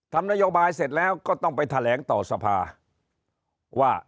ทำนโยบายเสร็จแล้วก็ต้องไปแถลงต่อสภาว่า